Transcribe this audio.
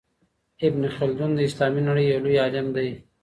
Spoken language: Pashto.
ابن خلدون د اسلامي نړۍ يو لوی عالم دی.